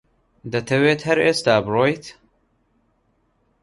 دەتەوێت هەر ئێستا بڕۆیت؟